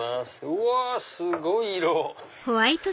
うわすごい色！